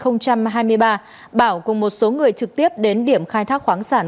năm hai mươi ba bảo cùng một số người trực tiếp đến điểm khai thác khoáng sản